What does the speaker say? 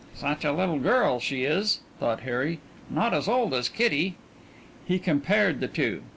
Such a little girl she is, thought Harry. Not as old as Kitty. He compared the two.